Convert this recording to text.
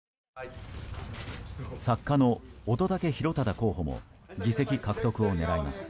作家の乙武洋匡候補も議席獲得を狙います。